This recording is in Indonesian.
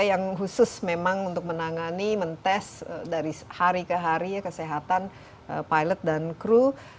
yang khusus memang untuk menangani mentes dari hari ke hari ya kesehatan pilot dan kru